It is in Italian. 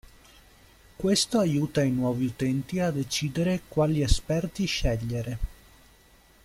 Questo aiuta i nuovi utenti a decidere quali esperti scegliere.